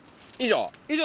以上？